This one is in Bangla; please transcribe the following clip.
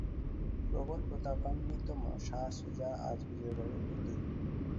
প্রবলপ্রতাপান্বিত শাসুজা আজ বিজয়গড়ের বন্দী।